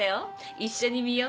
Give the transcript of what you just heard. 一緒に見よう